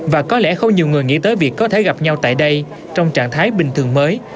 và có lẽ không nhiều người nghĩ tới việc có thể gặp nhau tại đây trong trạng thái bình thường mới